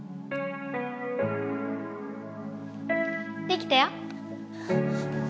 できたよ。